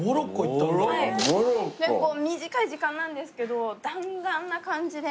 結構短い時間なんですけど弾丸な感じで。